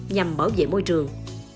nhằm bảo vệ môi trường